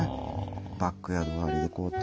バックヤード周りにこうやって。